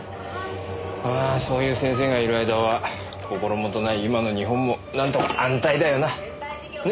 ああそういう先生がいる間は心もとない今の日本もなんとか安泰だよな。ね？